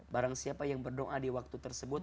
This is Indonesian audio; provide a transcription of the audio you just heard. barang siapa yang berdoa di waktu tersebut